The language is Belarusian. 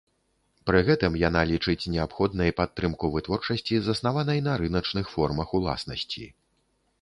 Пры гэтым яна лічыць неабходнай падтрымку вытворчасці, заснаванай на рыначных формах уласнасці.